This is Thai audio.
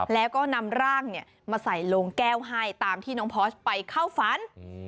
แล้วก็นำร่างมาใส่โลงแก้วให้ตามที่น้องพอสไปเข้าฝัน